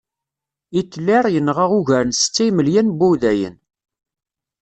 Hitler yenɣa ugar n setta imelyan n wudayen.